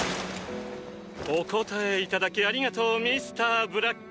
お答えいただきありがとうミスターブラック。